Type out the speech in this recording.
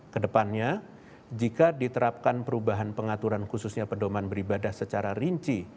kedepannya jika diterapkan perubahan pengaturan khususnya pedoman beribadah secara rinci